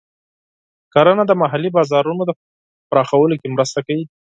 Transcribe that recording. کرنه د محلي بازارونو پراخولو کې مرسته کوي.